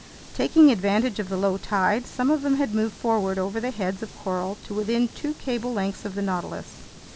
Taking advantage of the low tide, some of them had moved forward over the heads of coral to within two cable lengths of the Nautilus.